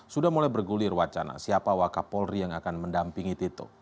sudah mulai bergulir wacana siapa wakapolri yang akan mendampingi tito